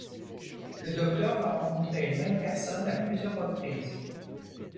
Le Docteur va rencontrer une même personne à plusieurs reprises.